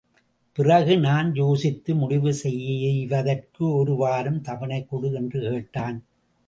பிறகு நான் யோசித்து முடிவு செய்வதற்கு ஒரு வாரம் தவணைகொடு என்று கேட்டான்.